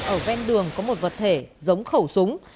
ở ven đường có một vật thể giống khẩu súng